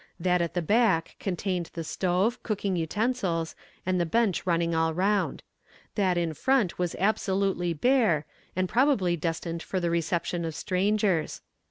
That at the back contained the stove, cooking utensils, and the bench running all round. That in front was absolutely bare, and probably destined for the reception of strangers.